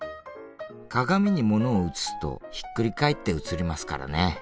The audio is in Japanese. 鏡に物を映すとひっくり返って映りますからね。